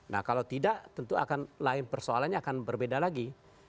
nah kalau tidak tentu akan lain persoalannya akan berbeda lagi